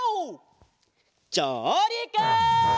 じょうりく！